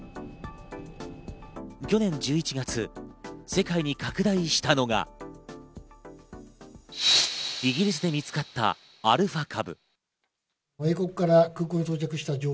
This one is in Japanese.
去年１１月、世界に拡大したのが、イギリスで見つかったアルファ株。